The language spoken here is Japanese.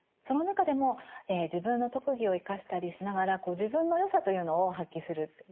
その中でも自分の特技を生かしたりしながら自分の良さというのを発揮する。